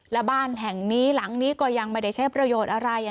และบ้านแห่งนี้หลังนี้ก็ยังไม่ได้ใช้ประโยชน์อะไร